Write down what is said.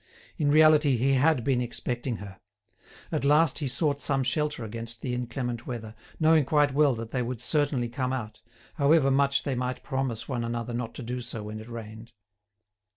In reality he had been expecting her. At last he sought some shelter against the inclement weather, knowing quite well that they would certainly come out, however much they might promise one another not to do so when it rained.